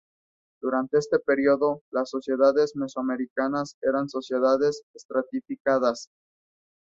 Durante este período, las sociedades mesoamericanas eran sociedades estratificadas.